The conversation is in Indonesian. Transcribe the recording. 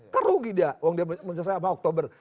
kan rugi dia uang dia mencuci sama oktober